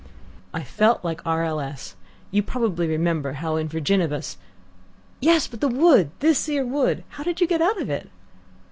"I felt like R. L. S. You probably remember how in VIRGINIBUS " "Yes, but the wood. This 'ere wood. How did you get out of it?"